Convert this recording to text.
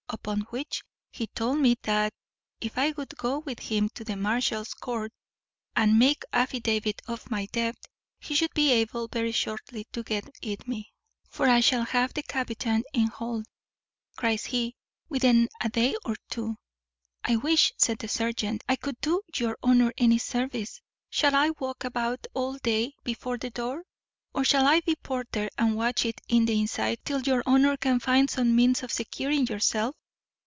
Upon which he told me that, if I would go with him to the Marshal's court, and make affidavit of my debt, he should be able very shortly to get it me; for I shall have the captain in hold," cries he, "within a day or two." "I wish," said the serjeant, "I could do your honour any service. Shall I walk about all day before the door? or shall I be porter, and watch it in the inside till your honour can find some means of securing yourself?